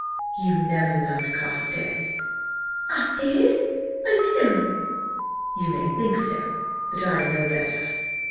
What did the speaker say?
"You never loved Carstares—" "I did! I do!" "You may think so, but I know better.